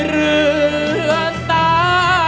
เรือตา